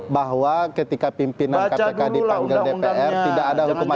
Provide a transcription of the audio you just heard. bahwa ketika pimpinan kpk dipanggil dpr tidak ada hukuman